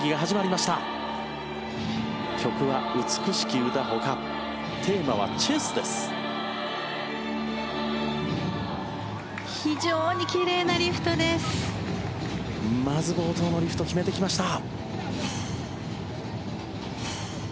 まず冒頭のリフト決めてきました。